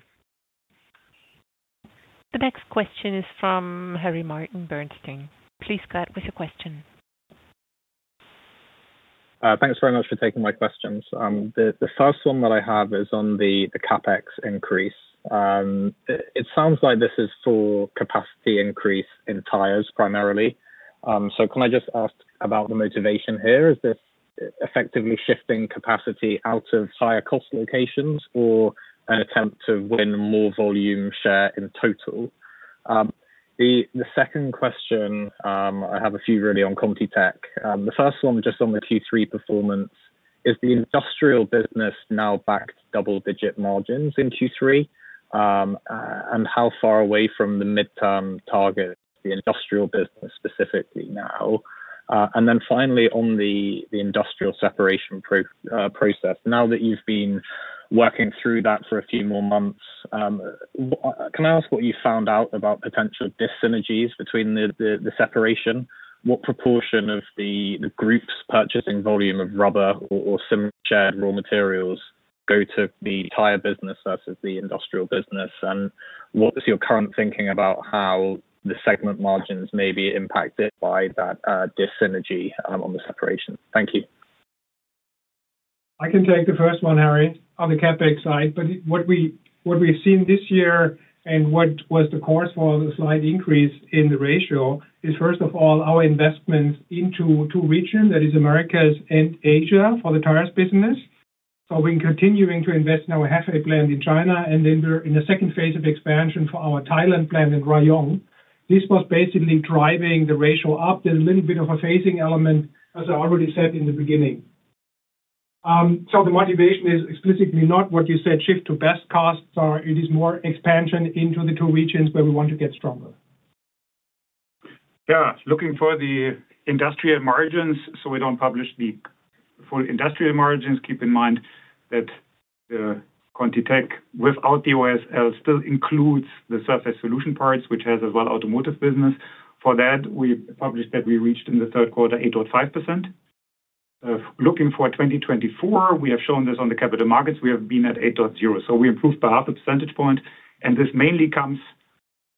The next question is from Harry Martin Bernstein. Please start with a question. Thanks very much for taking my questions. The first one that I have is on the Capex increase. It sounds like this is for capacity increase in Tires primarily. Can I just ask about the motivation here? Is this effectively shifting capacity out of tire cost locations or an attempt to win more volume share in total? The second question, I have a few really on ContiTech. The first one just on the Q3 performance, is the industrial business now back to double digit margins in Q3 and how far away from the midterm target is the industrial business specifically now and then finally on the industrial separation process. Now that you've been working through that for a few more months, can I ask what you found out about potential dissynergies between the separation? What proportion of the group's purchasing volume of rubber or similar raw materials go to the tire business versus the industrial business, and what is your current thinking about how the segment margins may be impacted by that dis-synergy on the separation? Thank you. I can take the first one, Harry, on the CapEx side but what we have seen this year and what was the cause for the slight increase in the ratio is first of all our investments into two regions, i.e. Americas and Asia, for the Tires business. We are continuing to invest in our halfway plant in China and then we are in the second phase of expansion for our Thailand plant in Rayong. This was basically driving the ratio up. There is a little bit of a phasing element as I already said in the beginning. The motivation is explicitly not what you said, shift to best costs, it is more expansion into the two regions where we want to get stronger. Yeah, looking for the industrial margins. We do not publish the full industrial margins. Keep in mind that the ContiTech without the OESL still includes the Surface Solutions parts, which has as well Automotive business. For that, we published that we reached in the third quarter 8.5%. Looking for 2024, we have shown this on the capital markets. We have been at 8.0%, so we improved by half a percentage point. This mainly comes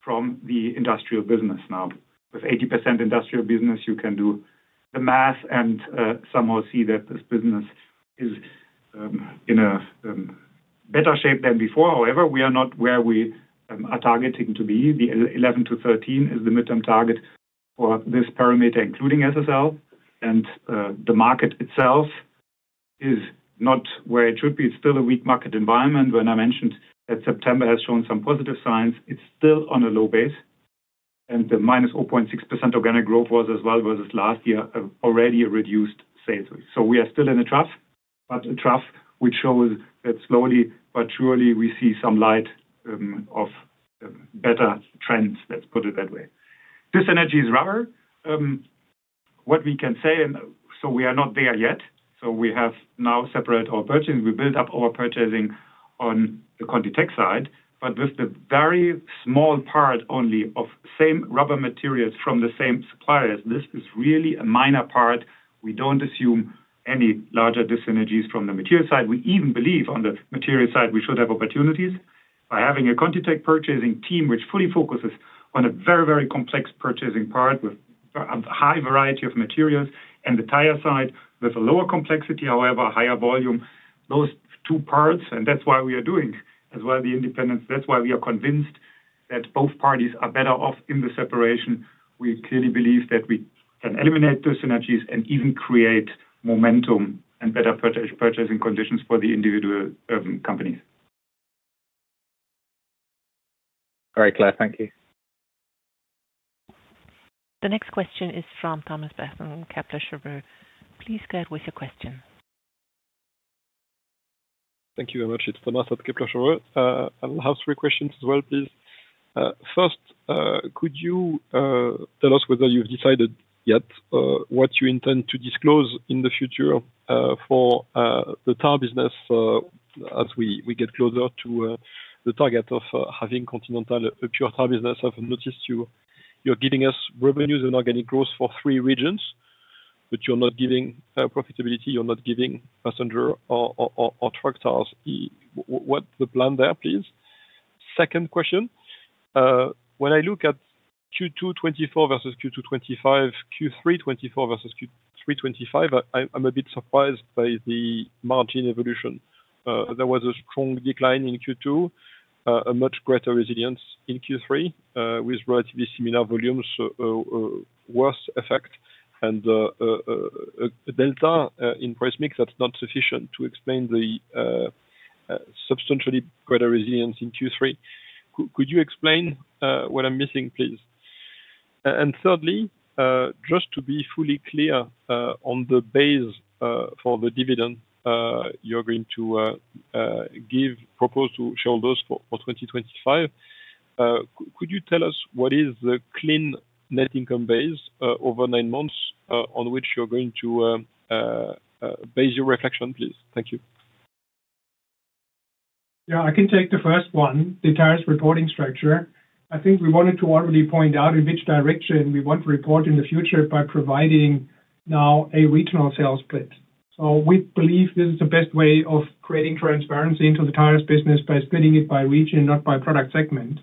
from the industrial business. Now, with 80% industrial business, you can do the math and somehow see that this business is in a better shape than before. However, we are not where we are targeting to be. The 11%-13% is the midterm target for this parameter, including SSL, and the market itself is not where it should be. It is still a weak market environment. When I mentioned that September has shown some positive signs. It's still on a low base and the -0.6% organic growth was as well versus last year already a reduced sales. We are still in a trough, but a trough which shows that slowly but surely we see some light of better trends. Let's put it that way. This energy is rubber. What we can say, we are not there yet. We have now separated our purchasing. We built up our purchasing on the ContiTech side but with a very small part only of same rubber materials from the same suppliers. This is really a minor part. We do not assume any larger dis-synergies from the material side. We even believe on the material side we should have opportunities by having a ContiTech purchasing team which fully focuses on a very, very complex purchasing part with a high variety of materials and the tire side with a lower complexity, however, higher volume, those two parts. That is why we are doing as well the independence. That is why we are convinced that both parties are better off in the separation. We clearly believe that we can eliminate those synergies and even create momentum and better purchasing conditions for the individual companies. Very clear. Thank you. The next question is from Thomas Besson, Kepler Cheuvreux. Please go ahead with your question. Thank you very much. It's Thomas at Kepler Cheuvreux. I have three questions as well, please. First, could you tell us whether you've decided yet what you intend to disclose in the future for the Tire business? As we get closer to the target of having Continental, a pure Tire business, I've noticed you, you're giving us revenues and organic growth for three regions, but you're not giving profitability, you're not giving Passenger or Truck Tires. What's the plan there, please? Second question. When I look at Q2 2024 versus Q2 2025, Q3 2024 versus Q3 2025, I'm a bit surprised by the margin evolution. There was a strong decline in Q2, a much greater resilience in Q3 with relatively similar volumes, worse effect and a delta in price mix. That's not sufficient to explain the substantially greater resilience in Q3. Could you explain what I'm missing, please? Thirdly, just to be fully clear on the base for the dividend you are going to give, propose to shareholders for 2025. Could you tell us what is the clean net income base over nine months on which you are going to base your reflection, please? Thank you. Yeah, I can take the first one. The tariffs reporting structure. I think we wanted to already point out in which direction we want to report in the future by providing now a regional sales split. We believe this is the best way of creating transparency into the Tires business by splitting it by region, not by product segment.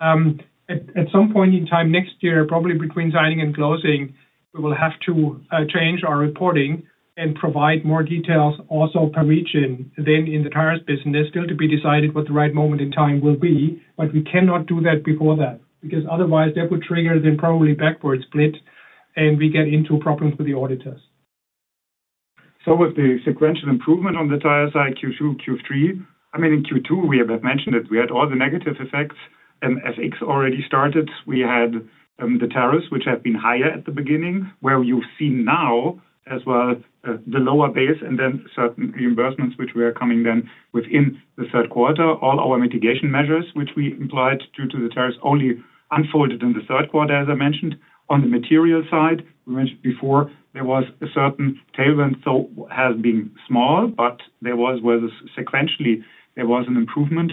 At some point in time next year, probably between signing and closing, we will have to change our reporting and provide more details also per region. In the Tires business, still to be decided what the right moment in time will be. We cannot do that before that because otherwise that would trigger then probably backwards split and we get into problems with the auditors. With the sequential improvement on the tire side Q2, Q3, I mean, in Q2 we have mentioned that we had all the negative effects. FX already started, we had the tariffs which have been higher at the beginning, where you've seen now as well the lower base and then certain reimbursements which were coming then within the third quarter, all our mitigation measures which we implied due to the tariffs only unfolded in the third quarter. As I mentioned on the material side, we mentioned before there was a certain tailwind, so has been small, but there was sequentially there was an improvement.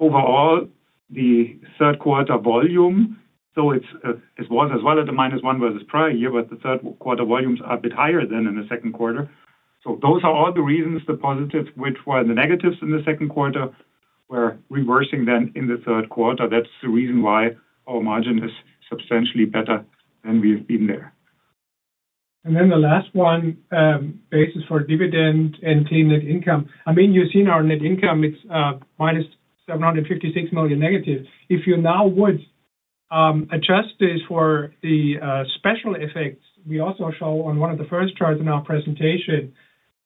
Overall, the third quarter volume though it was as well at the -1% versus prior year. The third quarter volumes are a bit higher than in the second quarter. Those are all the reasons the positives which were the negatives in the second quarter were reversing in the third quarter. That is the reason why our margin is substantially better than we have been there. The last one, basis for dividend and clean net income. I mean you've seen our net income, it's -756 million negative. If you now would adjust this for the special effects we also show on one of the first charts in our presentation,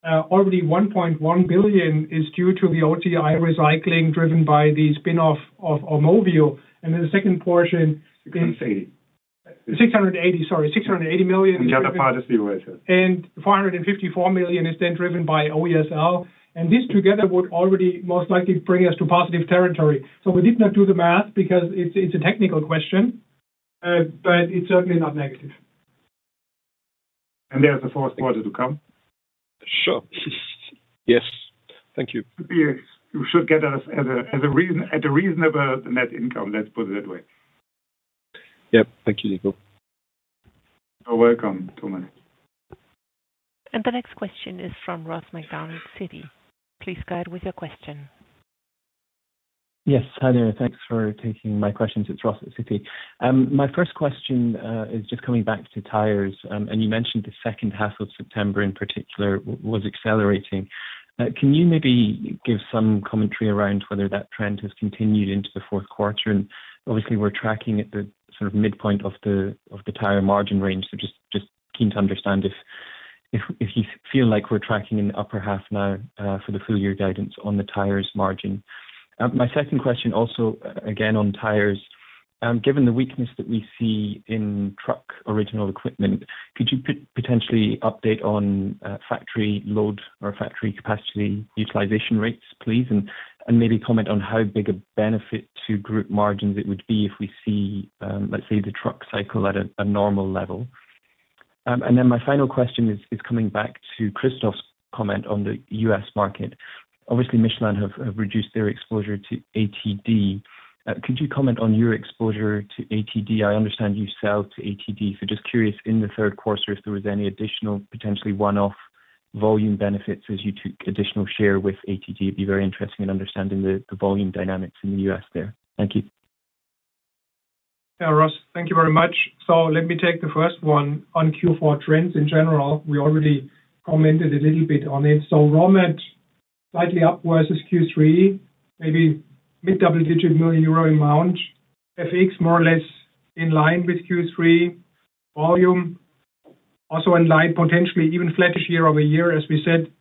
already 1.1 billion is due to the [OTI] recycling driven by the spin-off of AUMOVIO. In the second portion, 680, sorry 680 million. In the other part of the []. 454 million is then driven by OESL. This together would already most likely bring us to positive territory. We did not do the math because it's a technical question, but it's certainly not negative. There is a fourth quarter to come. Sure, yes. Thank you. You should get at a reasonable net income, let's put it that way. Yep. Thank you, Nico. You're welcome, Thomas. The next question is from Ross MacDonald Citi. Please go ahead with your question. Yes, hi there. Thanks for taking my questions. It's Ross at Citi. My first question is just coming back to Tires and you mentioned the second half of September in particular was accelerating. Can you maybe give some commentary around whether that trend has continued into the fourth quarter? Obviously we're tracking at the sort of midpoint of the tire margin range. Just keen to understand if you feel like we're tracking in the upper half now for the full year guidance on the Tires margin. My second question also again on Tires, given the weakness that we see in Truck original equipment, could you potentially update on factory load or factory capacity utilization rates, please, and maybe comment on how big a benefit to group margins it would be if we see, let's say, the Truck cycle at a normal level. My final question is coming back to Christoph's question. Comment on the U.S. market, obviously Michelin have reduced their exposure to ATD. Could you comment on your exposure to ATD? I understand you sell to ATD. Just curious, in the third quarter if there was any additional potentially one-off volume benefits as you took additional share with ATD, it would be very interesting in understanding the volume dynamics in the U.S. there. Thank you. Thank you very much. Let me take the first one on Q4 trends in general. We already commented a little bit on it. Raw mat slightly up versus Q3, maybe mid double digit million euro amount. FX more or less in line with Q3. Volume also in line, potentially even flattish year-over-year. As we said,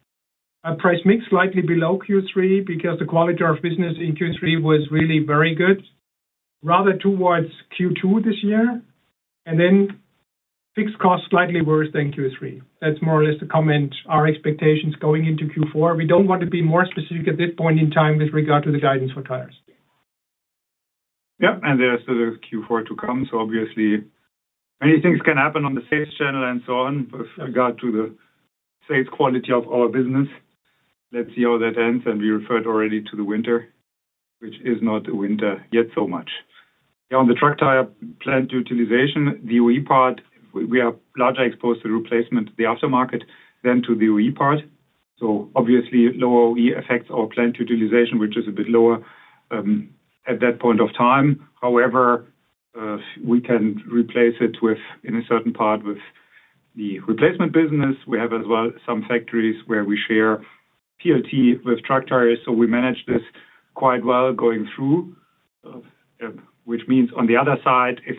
price mix slightly below Q3 because the quality of business in Q3 was really very good, rather towards Q2 this year. Fixed costs slightly worse than Q3. That is more or less the comment on our expectations going into Q4. We do not want to be more specific at this point in time with regard to the guidance for Tires. Yeah. There is still a Q4 to come. Obviously, many things can happen on the sales channel and so on with regard to the sales quality of our business. Let's see how that ends. We referred already to the Winter, which is not the winter yet. Much on the Truck Tire plant utilization, the OE part, we are larger exposed to replacement, the aftermarket, than to the OE part. Obviously, lower OE affects our plant utilization, which is a bit lower at that point of time. However, we can replace it in a certain part with the Replacement business. We have as well some factories where we share PLT with tractors. We manage this quite well going through. Which means on the other side, if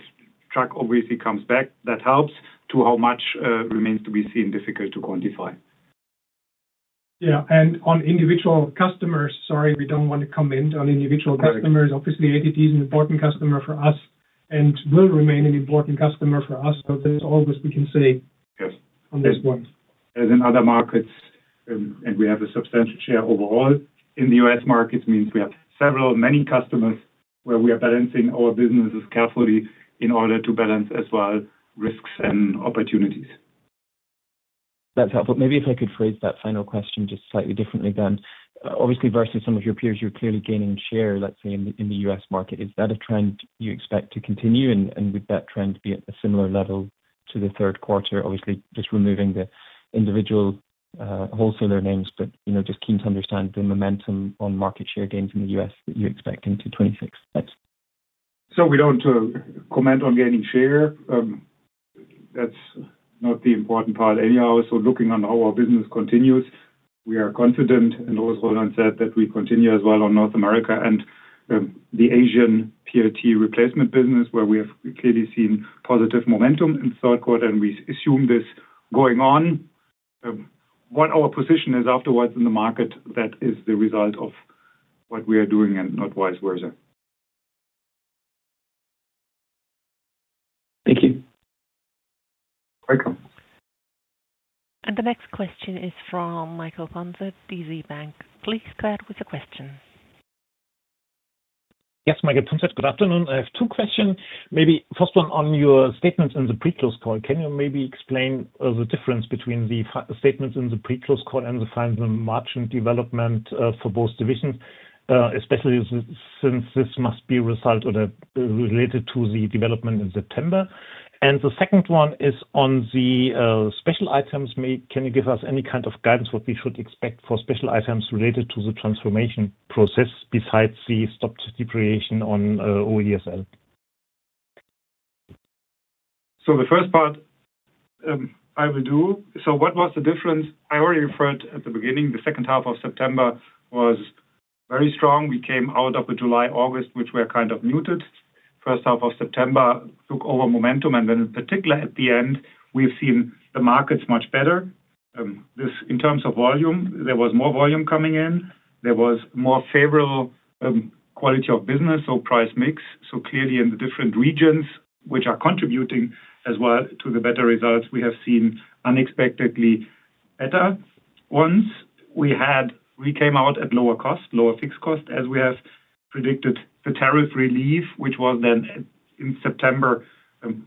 Truck obviously comes back, that helps too. How much remains to be seen. Difficult to quantify. Yeah. And on individual customers. Sorry, we do not want to comment on individual customers. Obviously, ATD is an important customer for us and will remain an important customer for us. That is all we can say on that. This one. As in other markets. We have a substantial share overall in the U.S. markets, means we have several, many customers where we are balancing our businesses carefully in order to balance as well risks and opportunities. That's helpful. Maybe if I could phrase that final question just slightly differently then, obviously versus some of your peers, you're clearly gaining share, let's say in the U.S. market. Is that a trend you expect to continue and would that trend be at a similar level to the third quarter? Obviously just removing the individual wholesaler names, but you know, just keen to understand the momentum on market share gains in the U.S. that you expect into 2026. We don't comment on gaining share. That's not the important part. Anyhow, looking on our business continues, we are confident and also said that we continue as well on North America and the Asian PLT Replacement business where we have clearly seen positive momentum in third quarter, and we assume this going on. What our position is afterwards in the market, that is the result of what we are doing and not vice versa. Thank you. The next question is from Michael Punzet, DZ BANK. Please go ahead with your question. Yes, Michael Funke, good afternoon. I have two questions. Maybe first one on your statements in the pre close call, can you maybe explain the difference between the statements in the pre close call and the final margin development for both divisions especially since this must be result related to the development in September. The second one is on the special items. Can you give us any kind of guidance what we should expect for special items related to the transformation process besides the stopped depreciation on OESL? The first part I will do. What was the difference? I already referred at the beginning. The second half of September was very strong. We came out of the July and August which were kind of muted. First half of September took over momentum and then in particular at the end we have seen the markets much better in terms of volume. There was more volume coming in, there was more favorable quality of business or price mix. Clearly in the different regions which are contributing as well to the better results, we have seen unexpectedly better. Once we had, we came out at lower cost, lower fixed cost as we have predicted. The tariff relief, which was then in September,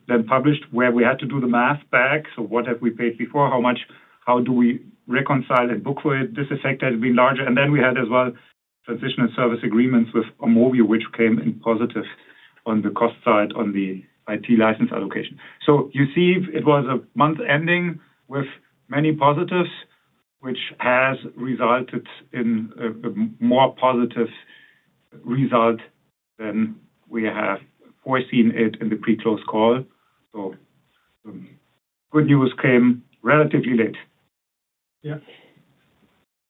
then published where we had to do the math back. What have we paid before, how much? How do we reconcile and book for it? This effect has been larger. We had as well transitional service agreements with AUMOVIO, which came in positive on the cost side on the IT license allocation. You see it was a month ending with many positives, which has resulted in a more positive result than we have foreseen it in the pre close call. Good news came relatively late. Yeah,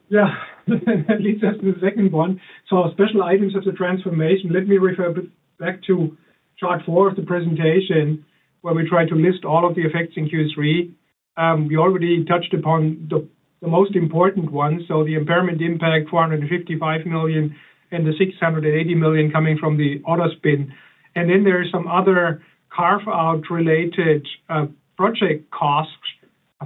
yeah. That leads us to the second one. Special items of the transformation. Let me refer back to Chart 4 of the presentation where we try to list all of the effects in Q3. We already touched upon the most important ones. The impairment impact 455 million and the 680 million coming from the autospin. There are some other carve-out related project costs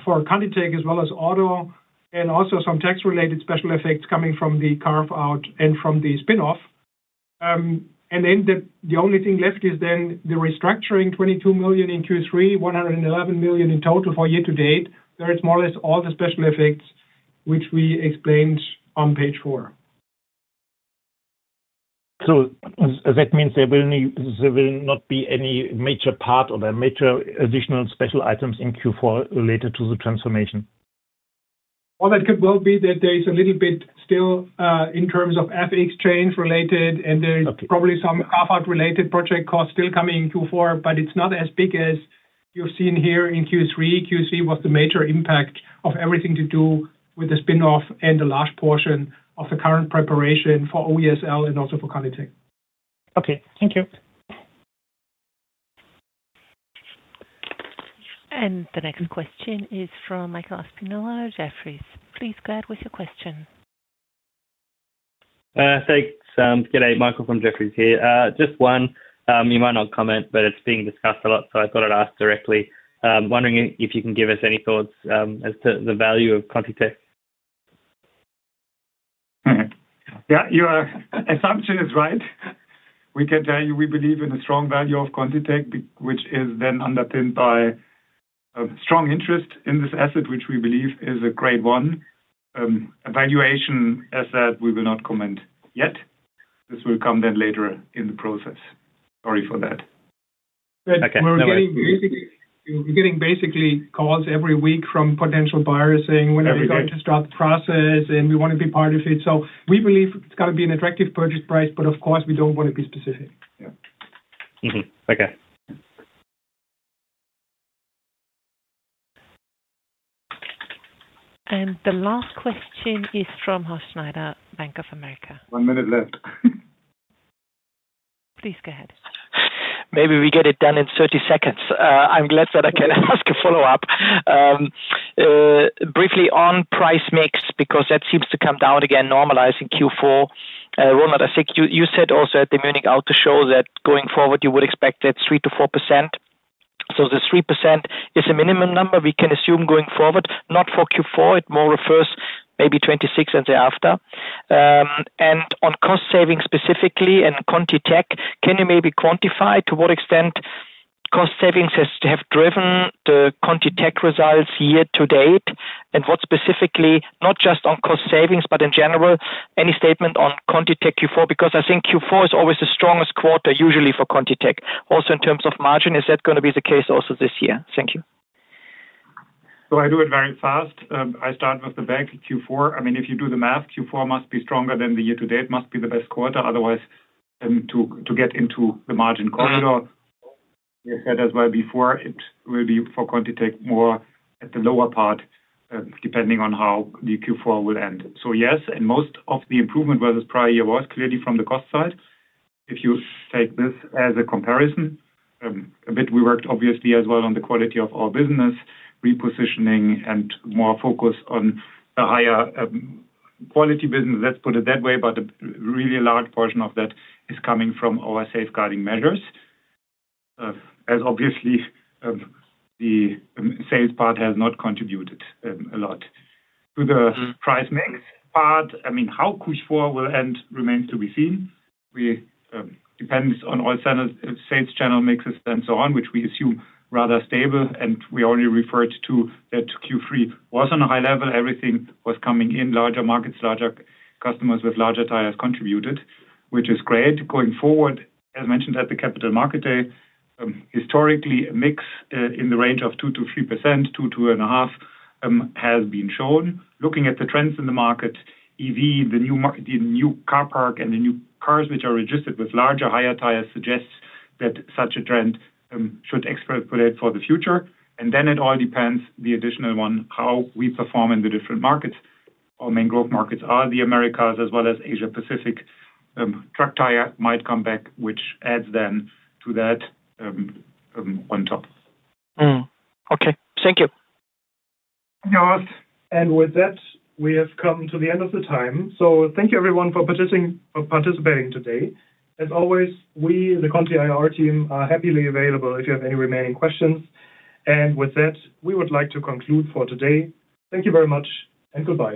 for ContiTech as well as auto and also some tax-related special effects coming from the carve-out and from the spin-off. The only thing left is the restructuring. 22 million in Q3, 111 million in total for year to date. That is more or less all the special effects which we explained on page four. That means there will not be any major part of a major additional special items in Q4 related to the transformation. That could well be that. There is a little bit still in terms of FX change related and there's probably some carve-out related project costs still coming in Q4, but it's not as big as you've seen here in Q3. Q3 was the major impact of everything to do with the spin-off and a large portion of the current preparation for OESL and also for ContiTech. Okay, thank you. The next question is from Michael Aspinall at Jefferies. Please go ahead with your question. Thanks. G'day Michael from Jefferies here, just one you might not comment but it's being discussed a lot. I thought I'd ask directly. Wondering if you can give us any thoughts as to the value of ContiTech. Yeah, your assumption is right. We can tell you we believe in a strong value of ContiTech, which is then underpinned by strong interest in this asset, which we believe is a great one, a valuation asset. We will not comment yet. This will come then later in the process. Sorry for that. We're getting basically calls every week from potential buyers saying when are we going to start the process and we want to be part of it. We believe it's going to be an attractive purchase price, but of course we don't want to be specific. Okay. The last question is from Horst Schneider, Bank of America. One minute left. Please go ahead. Maybe we get it done in 30 seconds. I'm glad that I can ask a follow up briefly on price mix because that seems to come down again normalizing Q4. Roland, you said also at the Munich auto show that going forward you would expect that 3%-4%. The 3% is a minimum number we can assume going forward, not for Q4. It more refers maybe 2026 and thereafter. On cost savings specifically and ContiTech, can you maybe quantify to what extent cost savings has driven the ContiTech results year to date and what specifically, not just on cost savings but in general, any statement on ContiTech Q4? I think Q4 is always the strongest quarter usually for ContiTech also in terms of margin. Is that going to be the case also this year? Thank you. I do it very fast. I start with the back Q4. I mean if you do the math Q4 must be stronger than the year to date. Must be the best quarter otherwise to get into the margin corridor. We said as well before it will be for ContiTech more at the lower part depending on how the Q4 will end. Yes, and most of the improvement versus prior year was clearly from the cost side. If you take this as a comparison a bit. We worked obviously as well on the quality of our business repositioning and more focus on a higher quality business, let's put it that way. A really large portion of that is coming from our safeguarding measures. As obviously the sales part has not contributed a lot to the price mix. I mean how Q4 will end remains to be seen. We depend on all sales channel mixes and so on, which we assume rather stable. We already referred to that Q3 was on a high level. Everything was coming in, larger markets, larger customers with larger tires contributed, which is great going forward. As mentioned at the capital market day, historically a mix in the range of 2%-3%, 2%, 2.5% has been shown. Looking at the trends in the market, EV, the new marketing, new car park, and the new cars which are registered with larger, higher tires suggests that such a trend should accelerate for the future. It all depends, the additional one, how we perform in the different markets. Our main growth markets are the Americas as well as Asia-Pacific. Truck Tire might come back, which adds then to that on top. Okay, thank you. We have come to the end of the time. Thank you everyone for participating today. As always, we the Conti IR team are happily available if you have any remaining questions. We would like to conclude for today. Thank you very much and goodbye.